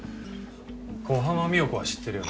小浜三代子は知ってるよな？